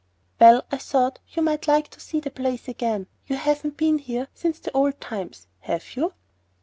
"Well, I thought you might like to see the place again. You haven't been here since the old times, have you?"